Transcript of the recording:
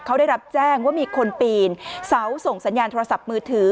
เขาได้รับแจ้งว่ามีคนปีนเสาส่งสัญญาณโทรศัพท์มือถือ